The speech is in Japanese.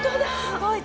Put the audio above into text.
すごい！